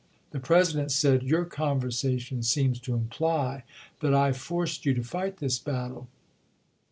The President said, "Your conversation seems to imply that I forced you to BULL RUN 359 fight this battle."